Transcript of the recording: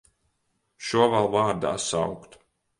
Šo vēl vārdā saukt!